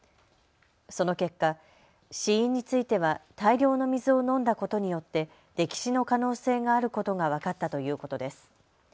その結果、死因については大量の水を飲んだことによって溺死の可能性があることが分かったということです。